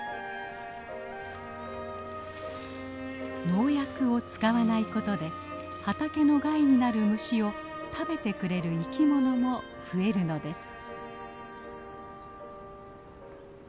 農薬を使わないことで畑の害になる虫を食べてくれる生きものも増えるのです。